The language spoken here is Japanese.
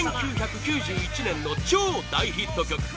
１９９１年の超大ヒット曲！